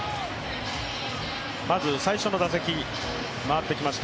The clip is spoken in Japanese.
まず最初の打席、回ってきました